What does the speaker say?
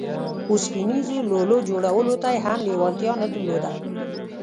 اوسپنيزو لولو جوړولو ته يې هم لېوالتيا نه درلوده.